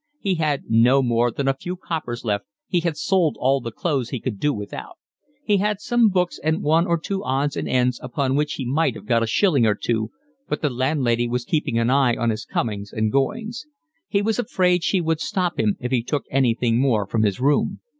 He had no more than a few coppers left, he had sold all the clothes he could do without; he had some books and one or two odds and ends upon which he might have got a shilling or two, but the landlady was keeping an eye on his comings and goings: he was afraid she would stop him if he took anything more from his room.